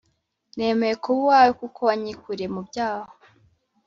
Nemeye kuba uwawe kuko wanyikuriye mu byaha